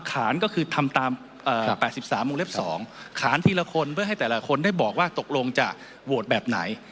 ขานก็คือทำตาม๘๓วงเล็บ๒ขานทีละคนเพื่อให้แต่ละคนได้บอกว่าตกลงจะโหวตแบบไหน